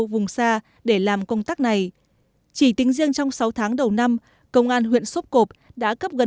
vùng xa để làm công tác này chỉ tính riêng trong sáu tháng đầu năm công an huyện sốp cộp đã cấp gần